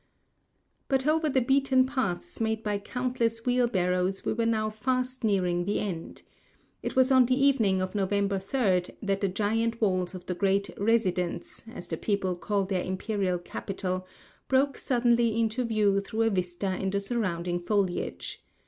But over the beaten paths made by countless wheelbarrows we were now fast nearing the end. It was on the evening of November 3, that the giant walls of the great "Residence," as the people call their imperial capital, broke suddenly into view through a vista in the surrounding foliage.